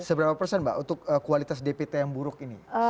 seberapa persen mbak untuk kualitas dpt yang buruk ini